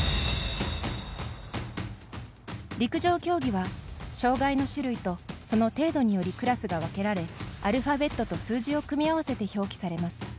陸上競技は、障がいの種類とその程度によりクラスが分けられアルファベットと数字を組み合わせて表記されます。